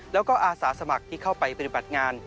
แล้วก็อาสาสมัครที่เข้าไปปฏิบัติงาน